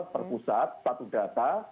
perpusat satu data